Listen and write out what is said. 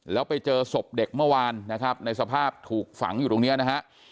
แล้วไปเจอศพเด็กเมื่อวานนะครับในสภาพถูกฝังอยู่ตรงนี้นะฮะ